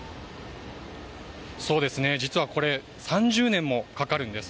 実はこれ３０年もかかるんです。